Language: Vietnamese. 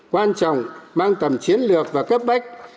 quan trọng mang tầm chiến lược và cấp bách